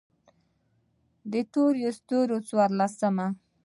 د تور ستوري څوارلسمه: